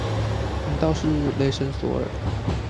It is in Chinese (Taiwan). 難道是雷神索爾